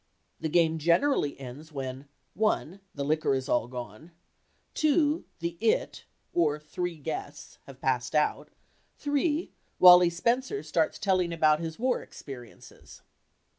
The game generally ends when (1) the liquor is all gone, (2) the "It" (or three guests) have passed "out," (3) Wallie Spencer starts telling about his war experiences.